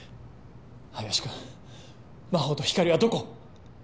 林君真帆と光莉はどこ？